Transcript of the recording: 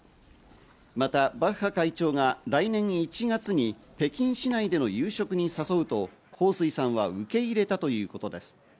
また、バッハ会長が来年１月に北京市内での夕食に誘うと、ホウ・スイさんは受け入れたということです。